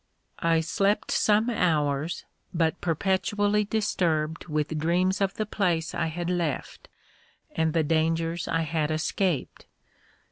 I slept some hours, but perpetually disturbed with dreams of the place I had left, and the dangers I had escaped.